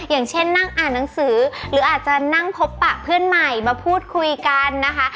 อย่างเช่นนั่งอ่านหนังสือหรืออาจจะนั่งพบปะเพื่อนใหม่มาพูดคุยกันนะคะ